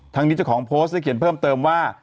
นี้เจ้าของโพสต์ได้เขียนเพิ่มเติมว่า